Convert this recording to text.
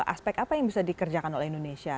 aspek apa yang bisa dikerjakan oleh indonesia